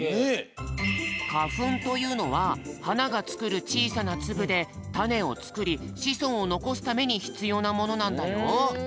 かふんというのははながつくるちいさなつぶでたねをつくりしそんをのこすためにひつようなものなんだよ。